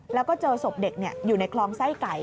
แล้วก็เจอศพเด็กอยู่ในคลองไส้ไก่